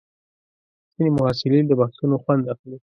ځینې محصلین د بحثونو خوند اخلي.